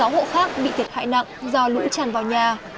một mươi sáu hộ khác bị thiệt hại nặng do lũ tràn vào nhà